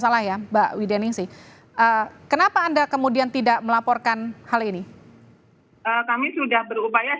salah ya mbak wideningsi kenapa anda kemudian tidak melaporkan hal ini kami sudah berupaya